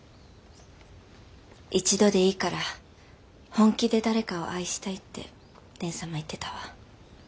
「一度でいいから本気で誰かを愛したい」って蓮様言ってたわ。